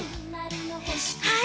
はい。